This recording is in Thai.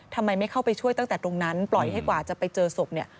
ทำไมไม่เข้าไปช่วยตั้งแต่ตรงนั้นปล่อยให้กว่าจะไปเจอศพเนี่ย